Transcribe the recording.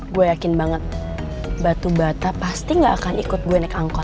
gue yakin banget batu bata pasti gak akan ikut gue naik angkot